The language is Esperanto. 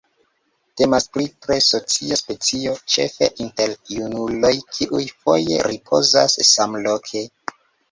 Temas pri tre socia specio, ĉefe inter junuloj kiuj foje ripozas samloke.